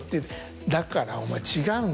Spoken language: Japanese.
「だからお前違うんだよ」